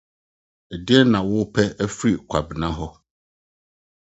Dɛn na wopɛ fi Kwabena hɔ?